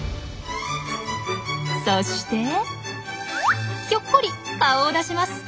そしてひょっこり顔を出します。